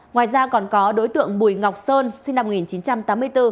ngoài ra còn có đối tượng bùi ngọc sơn sinh năm một nghìn chín trăm tám mươi bốn